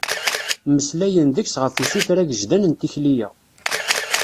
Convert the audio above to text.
Mmeslayen-d deg-s ɣef usuter agejdan n tikli-a.